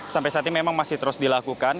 sampai saat ini memang masih terus dilakukan